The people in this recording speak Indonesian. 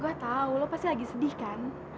gue tau lo pasti lagi sedih kan